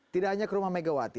tidak hanya ke rumah megawati